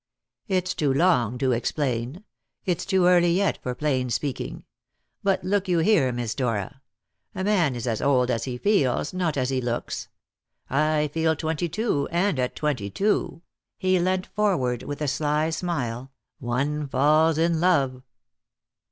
"It's too long to explain; it's too early yet for plain speaking. But look you here, Miss Dora: a man is as old as he feels, not as he looks. I feel twenty two and at twenty two" he leant forward with a sly smile "one falls in love."